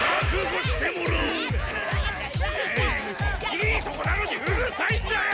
いいとこなのにうるさいんだよ！